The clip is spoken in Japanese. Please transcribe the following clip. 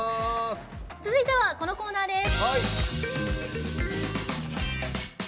続いては、このコーナーです。